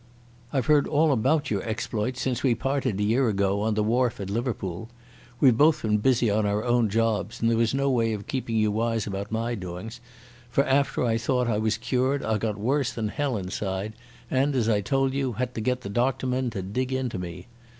I've heard all about your exploits since we parted a year ago on the wharf at Liverpool. We've both been busy on our own jobs, and there was no way of keeping you wise about my doings, for after I thought I was cured I got worse than hell inside, and, as I told you, had to get the doctor men to dig into me.